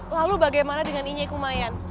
lalu bagaimana dengan inyai kumayan